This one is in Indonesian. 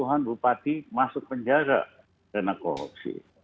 satu ratus dua puluh an bupati masuk penjara karena korupsi